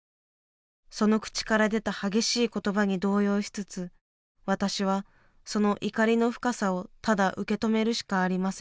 その口から出た激しい言葉に動揺しつつ私はその怒りの深さをただ受け止めるしかありませんでした。